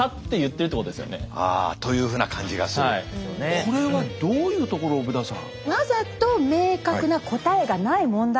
これはどういうところをブダさん。